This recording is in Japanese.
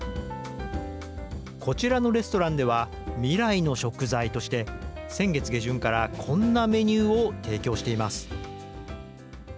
こちらのレストランでは未来の食材として先月下旬からこんなメニューを提供しています。